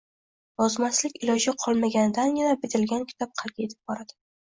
Yozmaslik iloji qolmaganidagina bitilgan kitob qalbga yetib boradi.